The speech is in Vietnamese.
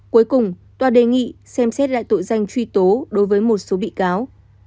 cuối cùng tòa đề nghị xem xét lại tội danh truy tố đối với một số bị cáo